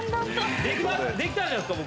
できたんじゃないですか？